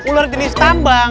ular jenis tambang